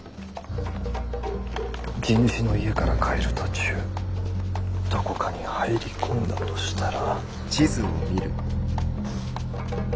地主の家から帰る途中どこかに入り込んだとしたら。